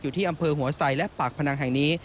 ที่อำเภอหัวไซและปากพนังแห่งนี้